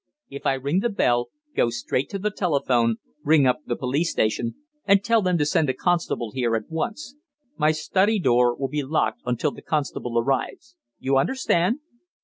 If I ring the bell, go straight to the telephone, ring up the police station, and tell them to send a constable here at once. My study door will be locked until the constable arrives. You understand?"